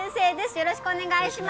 よろしくお願いします